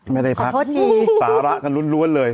ไม่ได้พักสาระกันล้วนเลย